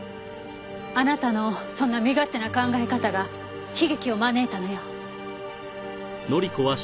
あなたのそんな身勝手な考え方が悲劇を招いたのよ。